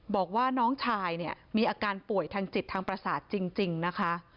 บอกว่าน้องชายเนี่ยมีอาการป่วยทางจิตทางประสาทจริงนะคะ